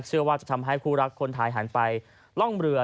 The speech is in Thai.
เชื่อว่าจะทำให้คู่รักคนไทยหันไปล่องเรือ